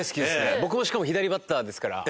僕もしかも左バッターですから。